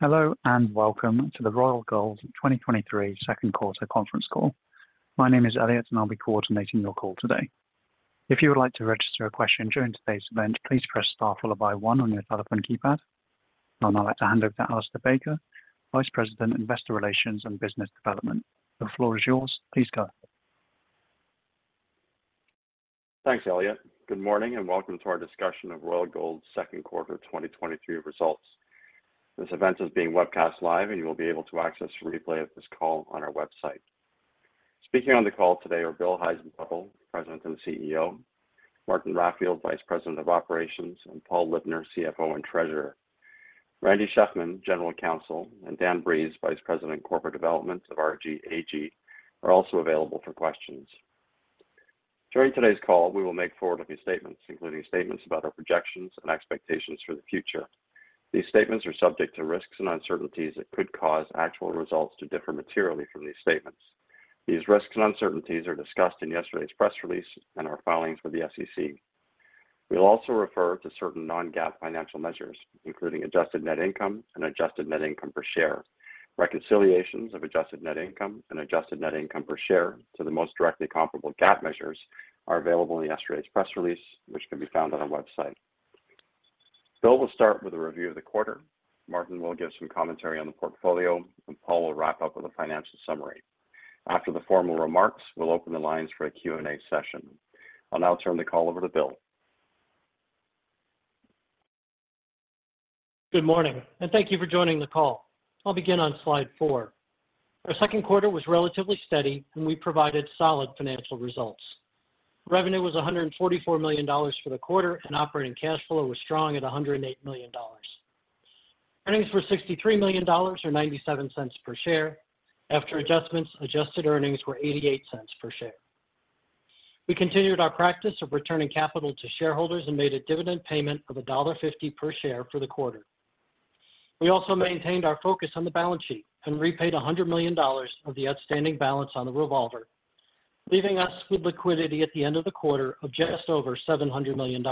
Hello, welcome to the Royal Gold's 2023 Second Quarter Conference Call. My name is Elliot, and I'll be coordinating your call today. If you would like to register a question during today's event, please press Star followed by one on your telephone keypad. I'd now like to hand over to Alistair Baker, Vice President, Investor Relations and Business Development. The floor is yours. Please go. Thanks, Elliot. Good morning, and welcome to our discussion of Royal Gold's Second Quarter 2023 results. This event is being webcast live, and you will be able to access a replay of this call on our website. Speaking on the call today are Bill Heissenbuttel, President and CEO, Martin Raffield, Vice President of Operations, and Paul Libner, CFO and Treasurer. Randy Shefman, General Counsel, and Dan Breeze, Vice President, Corporate Development of RG AG, are also available for questions. During today's call, we will make forward-looking statements, including statements about our projections and expectations for the future. These statements are subject to risks and uncertainties that could cause actual results to differ materially from these statements. These risks and uncertainties are discussed in yesterday's press release and our filings with the SEC. We'll also refer to certain non-GAAP financial measures, including adjusted net income and adjusted net income per share. Reconciliations of adjusted net income and adjusted net income per share to the most directly comparable GAAP measures are available in yesterday's press release, which can be found on our website. Bill will start with a review of the quarter, Martin will give some commentary on the portfolio, and Paul will wrap up with a financial summary. After the formal remarks, we'll open the lines for a Q&A session. I'll now turn the call over to Bill. Good morning. Thank you for joining the call. I'll begin on slide four. Our second quarter was relatively steady. We provided solid financial results. Revenue was $144 million for the quarter. Operating cash flow was strong at $108 million. Earnings were $63 million or $0.97 per share. After adjustments, adjusted earnings were $0.88 per share. We continued our practice of returning capital to shareholders. Made a dividend payment of $1.50 per share for the quarter. We also maintained our focus on the balance sheet. Repaid $100 million of the outstanding balance on the revolver, leaving us with liquidity at the end of the quarter of just over $700 million.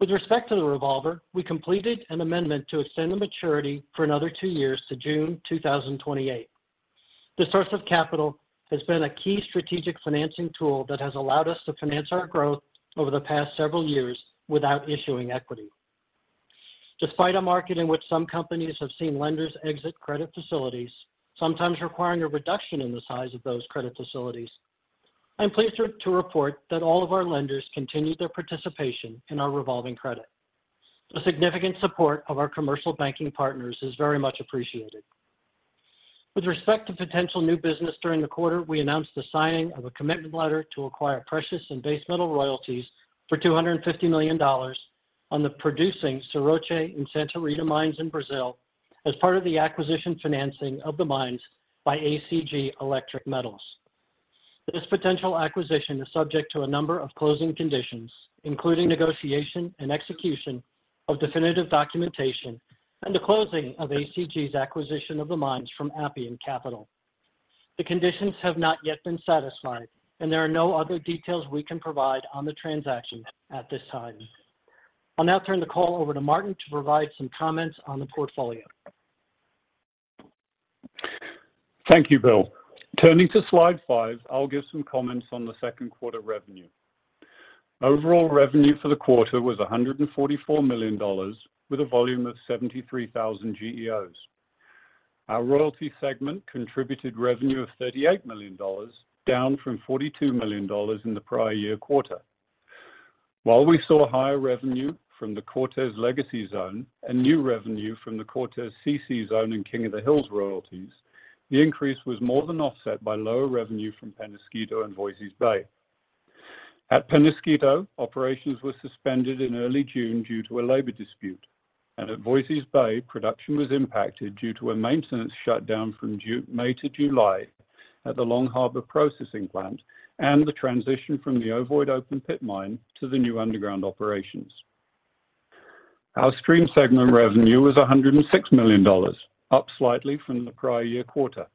With respect to the revolver, we completed an amendment to extend the maturity for another two years to June 2028. This source of capital has been a key strategic financing tool that has allowed us to finance our growth over the past several years without issuing equity. Despite a market in which some companies have seen lenders exit credit facilities, sometimes requiring a reduction in the size of those credit facilities, I'm pleased to report that all of our lenders continued their participation in our revolving credit. The significant support of our commercial banking partners is very much appreciated. With respect to potential new business during the quarter, we announced the signing of a commitment letter to acquire precious and base metal royalties for $250 million on the producing Serrote and Santa Rita mines in Brazil, as part of the acquisition financing of the mines by ACG Electric Metals. This potential acquisition is subject to a number of closing conditions, including negotiation and execution of definitive documentation and the closing of ACG's acquisition of the mines from Appian Capital. The conditions have not yet been satisfied, and there are no other details we can provide on the transaction at this time. I'll now turn the call over to Martin to provide some comments on the portfolio. Thank you, Bill. Turning to slide five, I'll give some comments on the second quarter revenue. Overall revenue for the quarter was $144 million, with a volume of 73,000 GEOs. Our royalty segment contributed revenue of $38 million, down from $42 million in the prior year quarter. While we saw higher revenue from the Cortez Legacy Zone and new revenue from the Cortez CC Zone in King of the Hills royalties, the increase was more than offset by lower revenue from Peñasquito and Voisey's Bay. At Peñasquito, operations were suspended in early June due to a labor dispute, and at Voisey's Bay, production was impacted due to a maintenance shutdown from May to July at the Long Harbour Processing Plant and the transition from the Ovoid open pit mine to the new underground operations. Our stream segment revenue was $106 million, up slightly from the prior year quarter.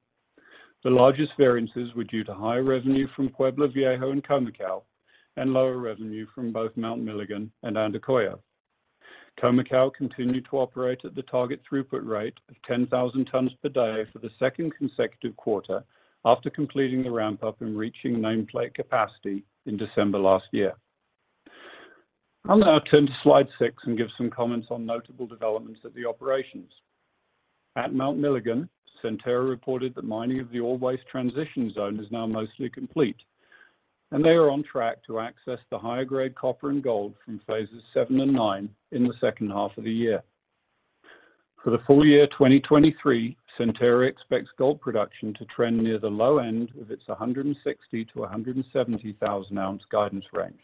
The largest variances were due to higher revenue from Pueblo Viejo and Khoemacau, lower revenue from both Mount Milligan and Andacollo. Khoemacau continued to operate at the target throughput rate of 10,000 tons per day for the second consecutive quarter after completing the ramp-up and reaching nameplate capacity in December 2022. I'll now turn to slide six and give some comments on notable developments at the operations. At Mount Milligan, Centerra reported that mining of the ore waste transition zone is now mostly complete, and they are on track to access the higher-grade copper and gold from Phases 7 and 9 in the second half of the year. For the full year 2023, Centerra expects gold production to trend near the low end of its 160,000-170,000 ounce guidance range,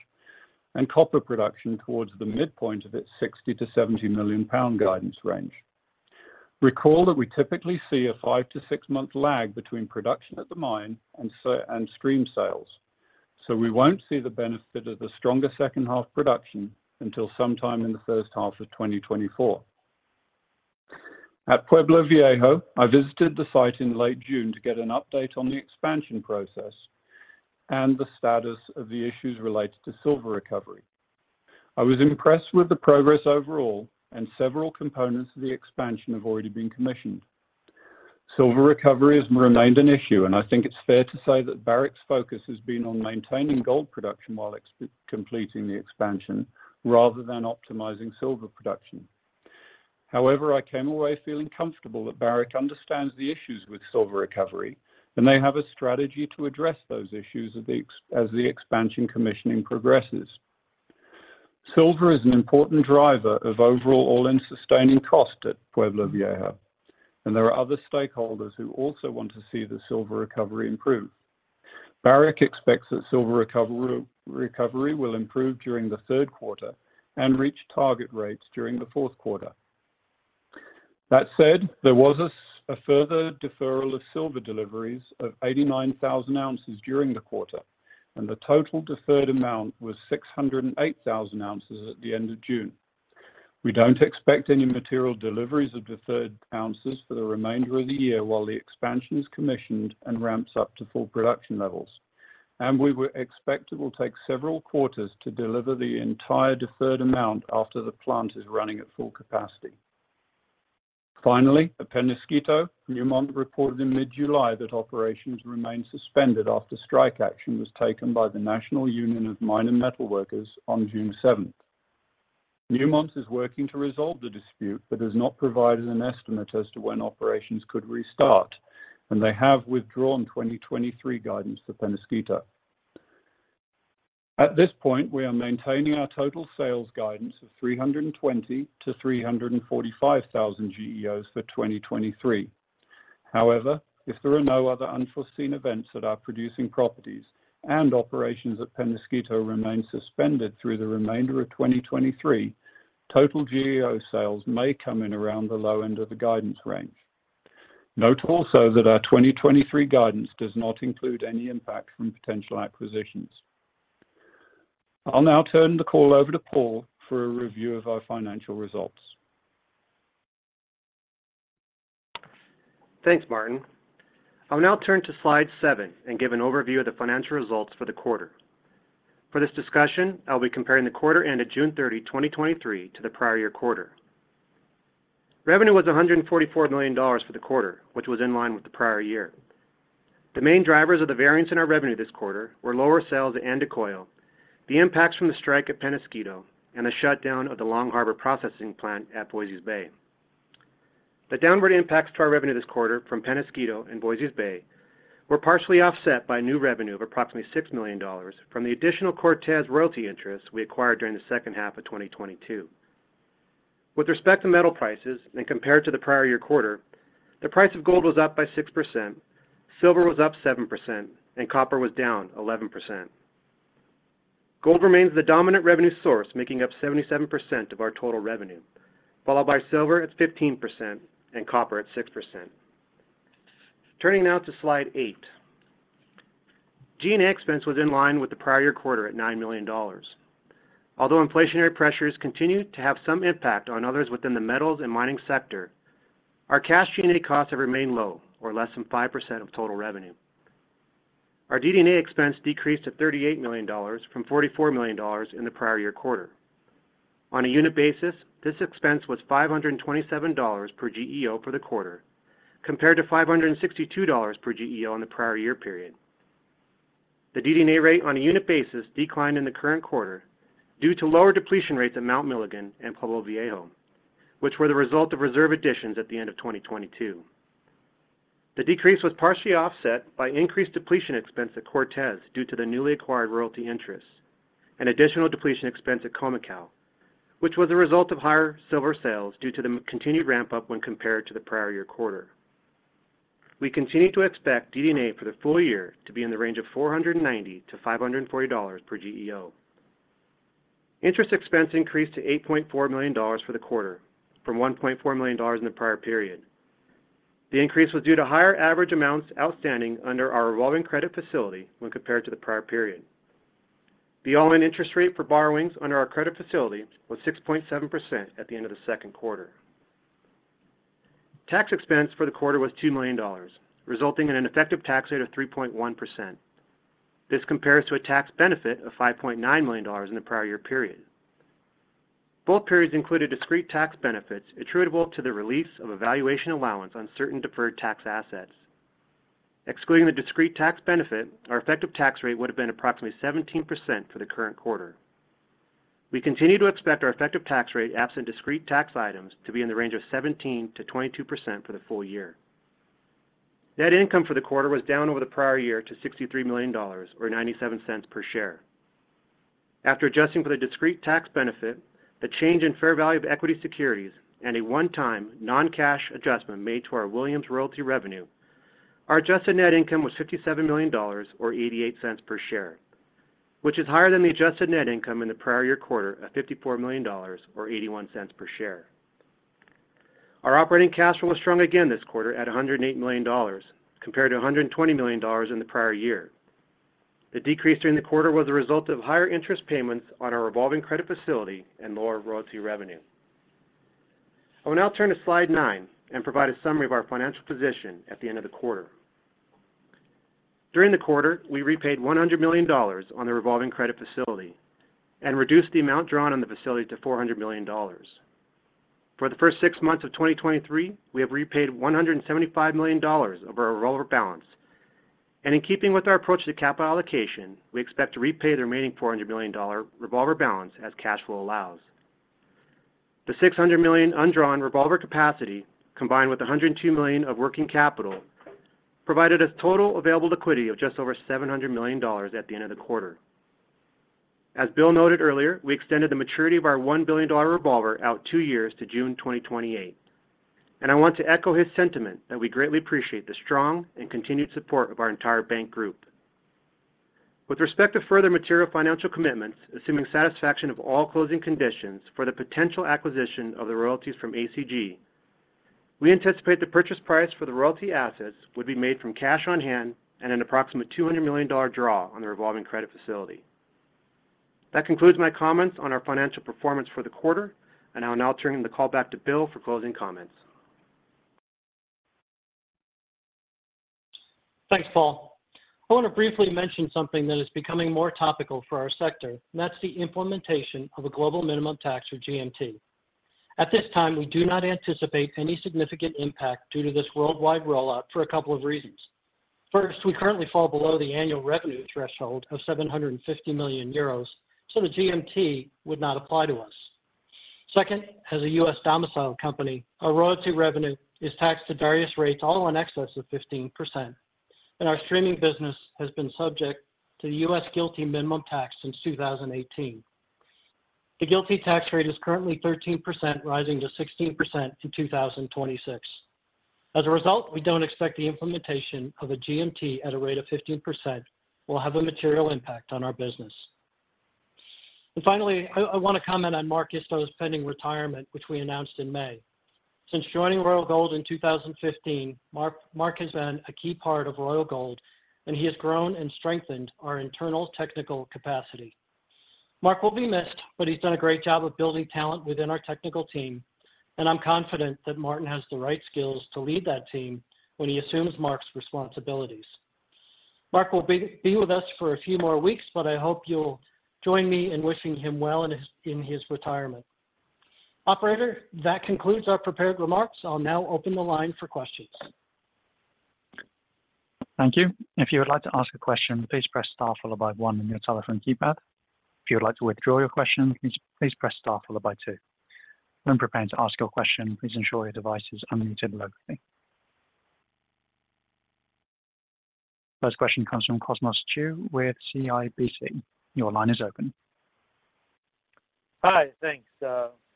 and copper production towards the midpoint of its 60 million-70 million pound guidance range. Recall that we typically see a five to six-month lag between production at the mine and stream sales. We won't see the benefit of the stronger second half production until sometime in the first half of 2024. At Pueblo Viejo, I visited the site in late June to get an update on the expansion process. The status of the issues related to silver recovery. I was impressed with the progress overall. Several components of the expansion have already been commissioned. Silver recovery has remained an issue, and I think it's fair to say that Barrick's focus has been on maintaining gold production while completing the expansion, rather than optimizing silver production. However, I came away feeling comfortable that Barrick understands the issues with silver recovery, and they have a strategy to address those issues as the expansion commissioning progresses. Silver is an important driver of overall all-in sustaining cost at Pueblo Viejo, and there are other stakeholders who also want to see the silver recovery improve. Barrick expects that silver recovery will improve during the third quarter and reach target rates during the fourth quarter. That said, there was a further deferral of silver deliveries of 89,000 oz during the quarter, and the total deferred amount was 608,000 oz at the end of June. We don't expect any material deliveries of deferred ounces for the remainder of the year while the expansion is commissioned and ramps up to full production levels. We would expect it will take several quarters to deliver the entire deferred amount after the plant is running at full capacity. Finally, at Peñasquito, Newmont reported in mid-July that operations remain suspended after strike action was taken by the National Union of Mine and Metal Workers on June 7. Newmont is working to resolve the dispute, but has not provided an estimate as to when operations could restart, and they have withdrawn 2023 guidance for Peñasquito. At this point, we are maintaining our total sales guidance of 320,000-345,000 GEOs for 2023. However, if there are no other unforeseen events at our producing properties and operations at Peñasquito remain suspended through the remainder of 2023, total GEO sales may come in around the low end of the guidance range. Note also that our 2023 guidance does not include any impact from potential acquisitions. I'll now turn the call over to Paul for a review of our financial results. Thanks, Martin. I will now turn to slide seven and give an overview of the financial results for the quarter. For this discussion, I'll be comparing the quarter end of June 30, 2023, to the prior year quarter. Revenue was $144 million for the quarter, which was in line with the prior year. The main drivers of the variance in our revenue this quarter were lower sales Andacollo, the impacts from the strike at Peñasquito, and the shutdown of the Long Harbour Processing Plant at Voisey's Bay. The downward impacts to our revenue this quarter from Peñasquito and Voisey's Bay were partially offset by new revenue of approximately $6 million from the additional Cortez royalty interest we acquired during the second half of 2022. With respect to metal prices and compared to the prior year quarter, the price of gold was up by 6%, silver was up 7%, and copper was down 11%. Gold remains the dominant revenue source, making up 77% of our total revenue, followed by silver at 15% and copper at 6%. Turning now to slide eight. G&A expense was in line with the prior year quarter at $9 million. Although inflationary pressures continue to have some impact on others within the metals and mining sector, our cash G&A costs have remained low or less than 5% of total revenue. Our DD&A expense decreased to $38 million from $44 million in the prior year quarter. On a unit basis, this expense was $527 per GEO for the quarter, compared to $562 per GEO in the prior year period. The DD&A rate on a unit basis declined in the current quarter due to lower depletion rates at Mount Milligan and Pueblo Viejo, which were the result of reserve additions at the end of 2022. The decrease was partially offset by increased depletion expense at Cortez due to the newly acquired royalty interests, and additional depletion expense at Khoemacau, which was a result of higher silver sales due to the continued ramp-up when compared to the prior year quarter. We continue to expect DD&A for the full year to be in the range of $490-$540 per GEO. Interest expense increased to $8.4 million for the quarter, from $1.4 million in the prior period. The increase was due to higher average amounts outstanding under our revolving credit facility when compared to the prior period. The all-in interest rate for borrowings under our credit facility was 6.7% at the end of the second quarter. Tax expense for the quarter was $2 million, resulting in an effective tax rate of 3.1%. This compares to a tax benefit of $5.9 million in the prior year period. Both periods included discrete tax benefits attributable to the release of a valuation allowance on certain deferred tax assets. Excluding the discrete tax benefit, our effective tax rate would have been approximately 17% for the current quarter. We continue to expect our effective tax rate, absent discrete tax items, to be in the range of 17%-22% for the full year. Net income for the quarter was down over the prior year to $63 million or $0.97 per share. After adjusting for the discrete tax benefit, the change in fair value of equity securities, and a one-time non-cash adjustment made to our Williams royalty revenue, our adjusted net income was $57 million or $0.88 per share, which is higher than the adjusted net income in the prior year quarter of $54 million or $0.81 per share. Our operating cash flow was strong again this quarter at $108 million, compared to $120 million in the prior year. The decrease during the quarter was a result of higher interest payments on our revolving credit facility and lower royalty revenue. I will now turn to slide nine and provide a summary of our financial position at the end of the quarter. During the quarter, we repaid $100 million on the revolving credit facility and reduced the amount drawn on the facility to $400 million. For the first six months of 2023, we have repaid $175 million of our revolver balance. In keeping with our approach to capital allocation, we expect to repay the remaining $400 million revolver balance as cash flow allows. The $600 million undrawn revolver capacity, combined with $102 million of working capital, provided a total available liquidity of just over $700 million at the end of the quarter. As Bill noted earlier, we extended the maturity of our $1 billion revolver out two years to June 2028. I want to echo his sentiment that we greatly appreciate the strong and continued support of our entire bank group. With respect to further material financial commitments, assuming satisfaction of all closing conditions for the potential acquisition of the royalties from ACG, we anticipate the purchase price for the royalty assets would be made from cash on hand and an approximate $200 million draw on the revolving credit facility. That concludes my comments on our financial performance for the quarter, and I will now turn the call back to Bill for closing comments. Thanks, Paul. I want to briefly mention something that is becoming more topical for our sector, and that's the implementation of a Global Minimum Tax, or GMT. At this time, we do not anticipate any significant impact due to this worldwide rollout for a couple of reasons. First, we currently fall below the annual revenue threshold of 750 million euros, so the GMT would not apply to us. Second, as a U.S.-domiciled company, our royalty revenue is taxed at various rates, all in excess of 15%, and our streaming business has been subject to the U.S. GILTI minimum tax since 2018. The GILTI tax rate is currently 13%, rising to 16% in 2026. As a result, we don't expect the implementation of a GMT at a rate of 15% will have a material impact on our business. Finally, I want to comment on Mark Isto's pending retirement, which we announced in May. Since joining Royal Gold in 2015, Mark has been a key part of Royal Gold, and he has grown and strengthened our internal technical capacity. Mark will be missed, but he's done a great job of building talent within our technical team, and I'm confident that Martin has the right skills to lead that team when he assumes Mark's responsibilities. Mark will be with us for a few more weeks, but I hope you'll join me in wishing him well in his retirement. Operator, that concludes our prepared remarks. I'll now open the line for questions. Thank you. If you would like to ask a question, please press star followed by 1 on your telephone keypad. If you would like to withdraw your question, please press star followed by two. When preparing to ask your question, please ensure your device is unmuted. First question comes from Cosmos Chiu with CIBC. Your line is open. Hi, thanks,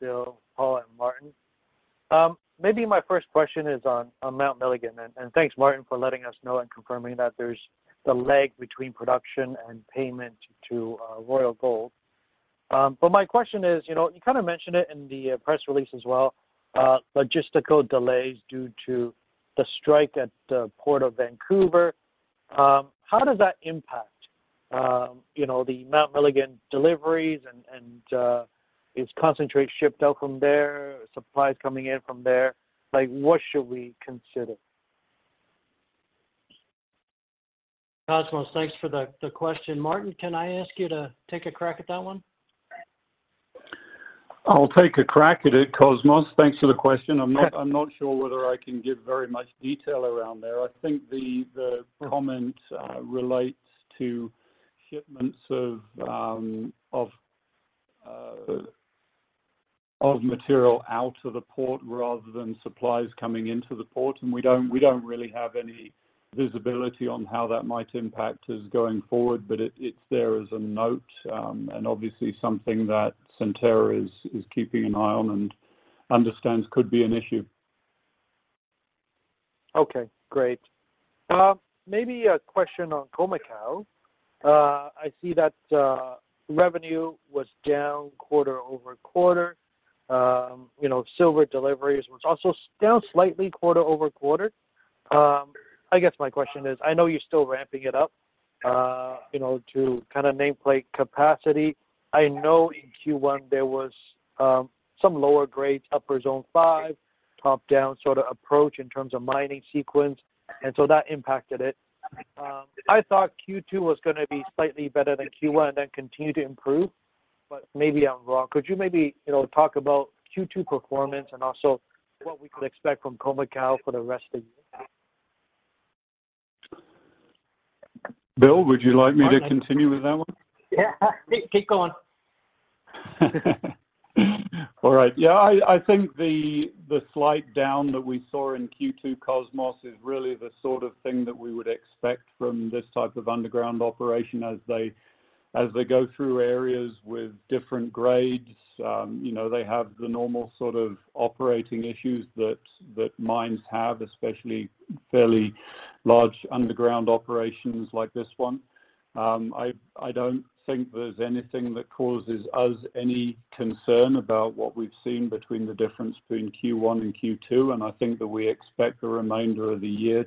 Bill, Paul, and Martin. Maybe my first question is on Mount Milligan, and thanks, Martin, for letting us know and confirming that there's the lag between production and payment to Royal Gold. My question is, you know, you kind of mentioned it in the press release as well, logistical delays due to the strike at the Port of Vancouver. How does that impact, you know, the Mount Milligan deliveries, and is concentrate shipped out from there, supplies coming in from there? Like, what should we consider? Cosmos, thanks for the question. Martin, can I ask you to take a crack at that one? I'll take a crack at it, Cosmos. Thanks for the question. I'm not, I'm not sure whether I can give very much detail around there. I think the, the comment relates to shipments of, of, of material out of the port rather than supplies coming into the port, and we don't, we don't really have any visibility on how that might impact us going forward. It's there as a note, and obviously something that Centerra is, is keeping an eye on and understands could be an issue. Okay, great. Maybe a question on Khoemacau. I see that, revenue was down quarter-over-quarter. You know, silver deliveries was also down slightly quarter-over-quarter. I guess my question is, I know you're still ramping it up, you know, to kind of nameplate capacity. I know in Q1, there was some lower grades, upper Zone 5, top-down sort of approach in terms of mining sequence, and so that impacted it. I thought Q2 was gonna be slightly better than Q1 and then continue to improve, but maybe I'm wrong. Could you maybe, you know, talk about Q2 performance and also what we could expect from Khoemacau for the rest of the year? Bill, would you like me to continue with that one? Yeah, keep, keep going. All right. Yeah, I, I think the, the slight down that we saw in Q2, Cosmos, is really the sort of thing that we would expect from this type of underground operation as they, as they go through areas with different grades. You know, they have the normal sort of operating issues that, that mines have, especially fairly large underground operations like this one. I, I don't think there's anything that causes us any concern about what we've seen between the difference between Q1 and Q2, and I think that we expect the remainder of the year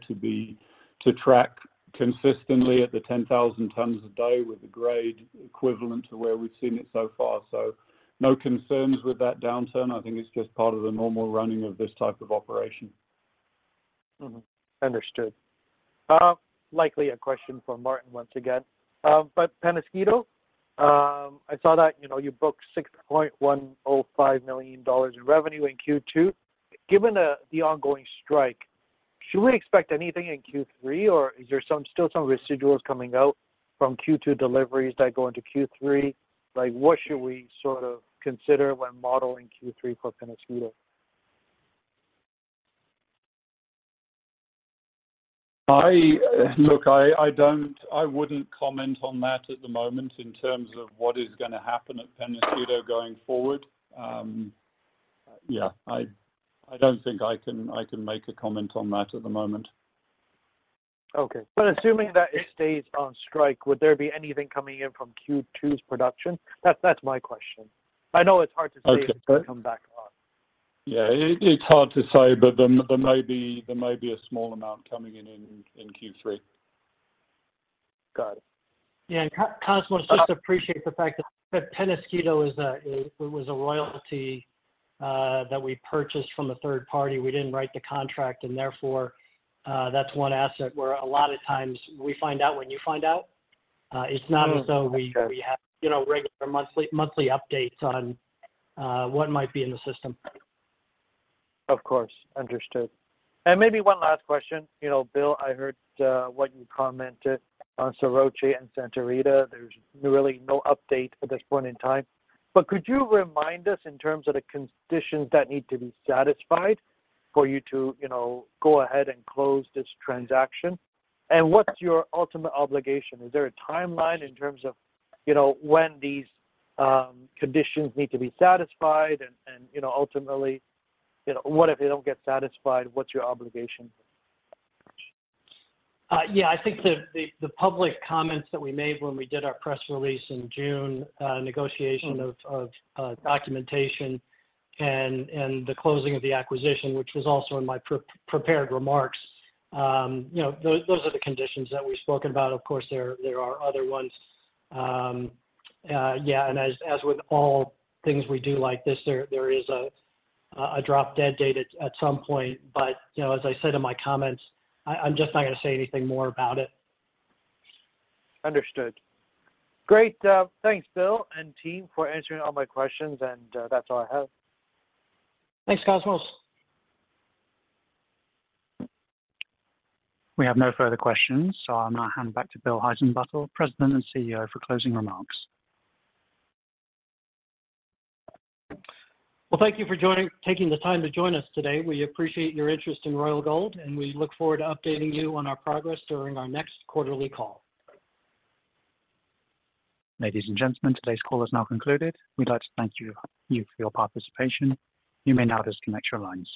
to track consistently at the 10,000 tons a day with the grade equivalent to where we've seen it so far. No concerns with that downturn. I think it's just part of the normal running of this type of operation. Mm-hmm. Understood. likely a question for Martin once again. Peñasquito, I saw that, you know, you booked $6.105 million in revenue in Q2. Given the, the ongoing strike, should we expect anything in Q3, or is there some, still some residuals coming out from Q2 deliveries that go into Q3? Like, what should we sort of consider when modeling Q3 for Peñasquito? I, look, I, I don't, I wouldn't comment on that at the moment in terms of what is gonna happen at Peñasquito going forward. Yeah, I, I don't think I can, I can make a comment on that at the moment. Okay. Assuming that it stays on strike, would there be anything coming in from Q2's production? That's, that's my question. I know it's hard to say- Okay If it'll come back on. Yeah, it, it's hard to say, but there, there may be, there may be a small amount coming in in, in Q3. Got it. Yeah, Cosmos, just appreciate the fact that Peñasquito it was a royalty that we purchased from a third party. We didn't write the contract. Therefore, that's one asset where a lot of times we find out when you find out. It's not as though- Okay we, we have, you know, regular monthly, monthly updates on, what might be in the system. Of course. Understood. Maybe one last question. You know, Bill, I heard what you commented on Serrote and Santa Rita. There's really no update at this point in time. Could you remind us, in terms of the conditions that need to be satisfied, for you to, you know, go ahead and close this transaction? What's your ultimate obligation? Is there a timeline in terms of, you know, when these conditions need to be satisfied? You know, ultimately, you know, what if they don't get satisfied, what's your obligation? Yeah, I think the, the, the public comments that we made when we did our press release in June, negotiation of, of documentation and, and the closing of the acquisition, which was also in my prepared remarks, you know, those, those are the conditions that we've spoken about. Of course, there, there are other ones. Yeah, and as, as with all things we do like this, there, there is a, a, drop-dead date at, at some point. You know, as I said in my comments, I, I'm just not gonna say anything more about it. Understood. Great. Thanks, Bill and team, for answering all my questions. That's all I have. Thanks, Cosmos. We have no further questions, so I'll now hand back to Bill Heissenbuttel, President and CEO, for closing remarks. Well, thank you for taking the time to join us today. We appreciate your interest in Royal Gold. We look forward to updating you on our progress during our next quarterly call. Ladies and gentlemen, today's call is now concluded. We'd like to thank you for your participation. You may now disconnect your lines.